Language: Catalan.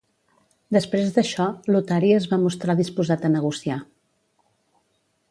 Després d'això, Lotari es va mostrar disposat a negociar.